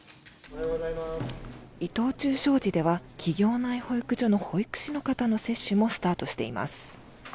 伊藤忠商事では企業内保育所の保育士の方の接種もスタートしています。